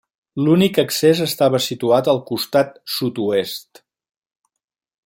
L'únic accés estava situat al costat sud-oest.